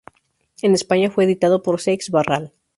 En España fue editado por Seix-Barral.